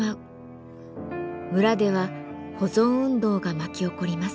村では保存運動が巻き起こります。